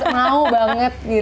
mau banget gitu